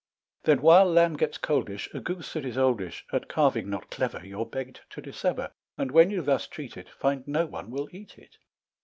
Then, while lamb gets coldish, A goose that is oldish At carving not clever You're begged to dissever, And when you thus treat it, Find no one will eat it.